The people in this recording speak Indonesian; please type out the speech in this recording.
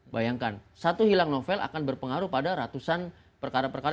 bayangkan satu hilang novel akan berpengaruh pada ratusan perkara perkara